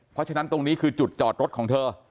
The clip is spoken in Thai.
เพราะฉะนั้นตรงนี้คือจุดจอดรถของเธอ